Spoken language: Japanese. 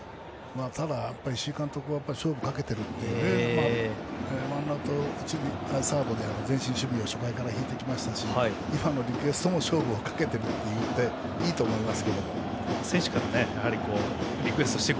石井監督は勝負をかけているのでワンアウトサードで前進守備を初回からひいてきましたし今のリクエストも勝負かけていいと思います。